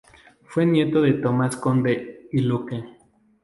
Fue nieto de Tomas Conde y Luque.